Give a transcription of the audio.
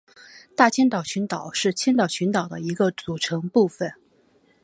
大千岛群岛是千岛群岛的一个组成部分。